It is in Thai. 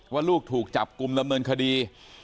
ว่าลูกถูกจับกลุ่มดำเนินคดี